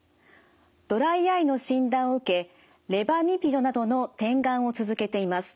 ドライアイの診断を受けレバミピドなどの点眼を続けています。